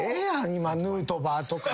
今ヌートバーとか。